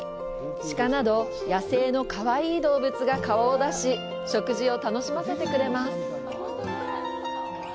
鹿など野性のかわいい動物が顔を出し食事を楽しませてくれます。